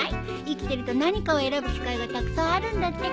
生きてると何かを選ぶ機会がたくさんあるんだって。